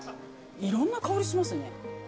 いろんな香りしますね。